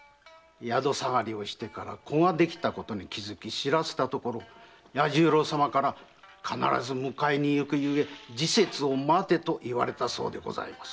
宿下がりをしてから子ができたことに気づき知らせたところ弥十郎様から必ず迎えに行くゆえ時節を待てと言われたそうです。